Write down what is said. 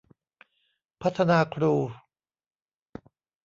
พัฒนาครู